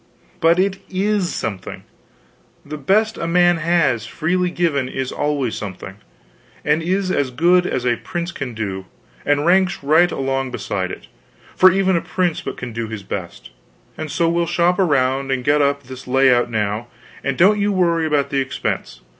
"But it is something; the best a man has, freely given, is always something, and is as good as a prince can do, and ranks right along beside it for even a prince can but do his best. And so we'll shop around and get up this layout now, and don't you worry about the expense.